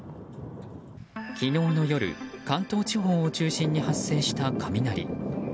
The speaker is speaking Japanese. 昨日の夜関東地方を中心に発生した雷。